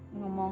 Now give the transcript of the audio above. mas mau makan